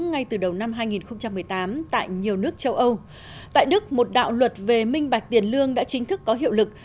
ngay từ đầu năm hai nghìn một mươi tám tại nhiều nước châu âu tại đức một đạo luật về minh bạch tiền lương đã chính thức có hiệu lực